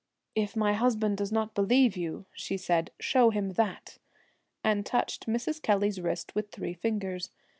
' If my husband does not be lieve you,' she said, 'show him that,' and touched Mrs. Kelly's wrist with three fingers.